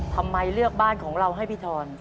ทำไมเลือกบ้านของเราให้พี่ทอน